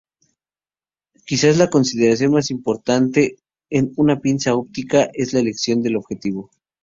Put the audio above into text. Quizá la consideración más importante en una pinza óptica es la elección del objetivo.